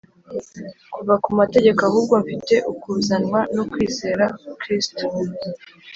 kuva ku mategeko, ahubwo mfite ukuzanwa no kwizera Kristo,